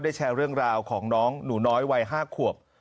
แชร์เรื่องราวของน้องหนูน้อยวัย๕ขวบ